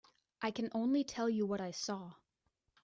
I can only tell you what I saw.